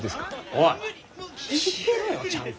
おい聞いてろよちゃんと！